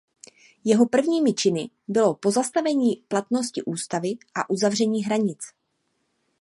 Jeho prvními činy bylo pozastavení platnosti ústavy a uzavření hranic.